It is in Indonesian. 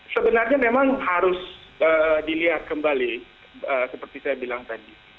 sebenarnya memang harus dilihat kembali seperti saya bilang tadi